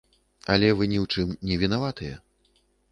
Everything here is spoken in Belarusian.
Але вы ні ў чым не вінаватыя.